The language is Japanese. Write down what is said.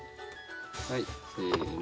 はいせーの。